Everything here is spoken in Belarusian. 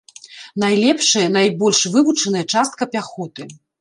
Найлепшая, найбольш вывучаная частка пяхоты.